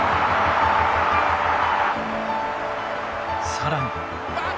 更に。